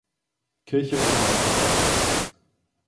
Kirche oberhalb des Dorfes